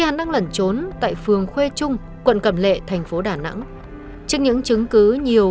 hắn đang lẩn trốn tại phường khuê trung quận cầm lệ thành phố đà nẵng trước những chứng cứ nhiều